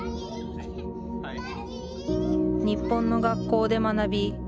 日本の学校で学び